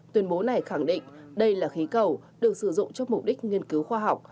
tuyên bố này khẳng định đây là khí cầu được sử dụng cho mục đích nghiên cứu khoa học